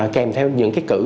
kèm theo những cử